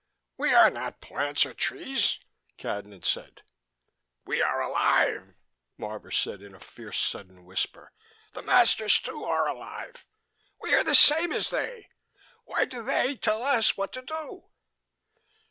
"We are not plants or trees," Cadnan said. "We are alive," Marvor said in a fierce, sudden whisper. "The masters, too, are alive. We are the same as they. Why do they tell us what to do?"